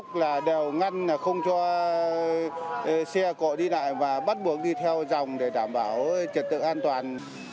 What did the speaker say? tổ chức là đều ngăn là không cho xe cộ đi lại và bắt buộc đi theo dòng để đảm bảo trật tự an toàn